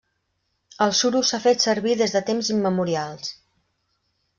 El suro s'ha fet servir des de temps immemorials.